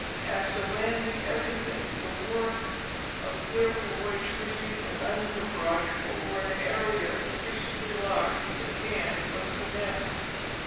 After landing everything, the work of clearing away trees and underbrush over an area sufficiently large for the camp was commenced.